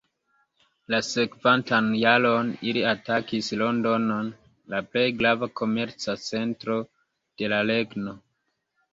La sekvantan jaron ili atakis Londonon, la plej grava komerca centro de la regno.